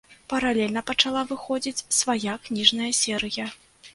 Паралельна пачала выходзіць свая кніжная серыя.